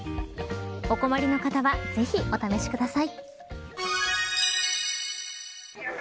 お困りの方はぜひお試しください。